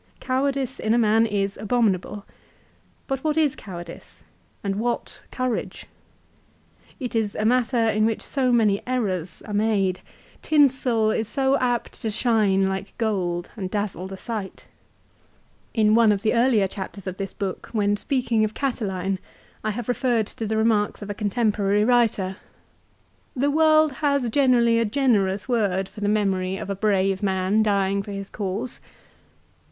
Cowardice in a man is abominable. But what is cowardice ? and what courage ? It is a matter 'in which so many errors are made ! Tinsel is so apt to shine like gold and dazzle the sight ! In one of the earlier chapters of this 298 LIFE OF CICERO. book, when speaking of Catiline, I have referred to the remarks of a contemporary writer. " The world has generally a generous word for the memory of a brave man dying for his cause!"